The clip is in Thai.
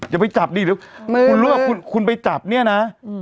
คุณรู้หรอคุณไปจับเนี่ยนะ